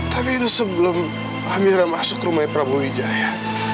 tapi itu sebelum amirah masuk rumahnya prabowo wujaya